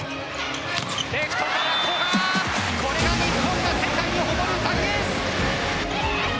これが日本が世界に誇る大エース。